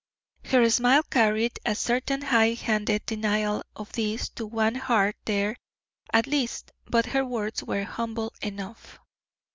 Her smile carried a certain high handed denial of this to one heart there, at least. But her words were humble enough.